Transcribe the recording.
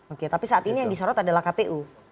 oke tapi saat ini yang disorot adalah kpu